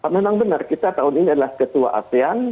memang benar kita tahun ini adalah ketua asean